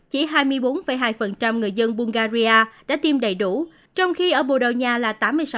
chỉ hai mươi bốn hai người dân bungaria đã tiêm đầy đủ trong khi ở bồ đào nha là tám mươi sáu